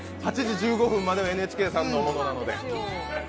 ８時１５分まではＮＨＫさんのものなので。